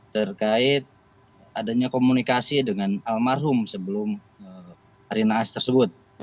terkait adanya komunikasi dengan almarhum sebelum arena as tersebut